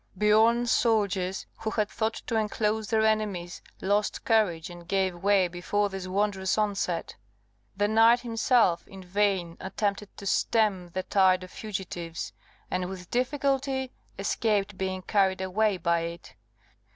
Biorn's soldiers, who had thought to enclose their enemies, lost courage and gave way before this wondrous onset. The knight himself in vain attempted to stem the tide of fugitives, and with difficulty escaped being carried away by it.